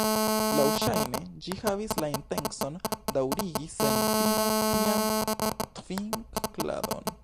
Laŭŝajne ĝi havis la intencon daŭrigi sen fino tian tvink'ladon.